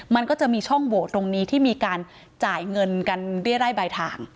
มันก็จะมีช่องโหวตตรงนี้ที่มีการจ่ายเงินกันเรียรัยบายทาง